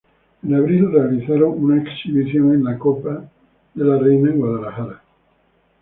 En abril realizaron una exhibición en la Copa de la Reina en Guadalajara.